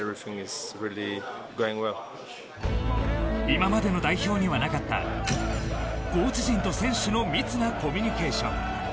今までの代表にはなかったコーチ陣と選手の密なコミュニケーション。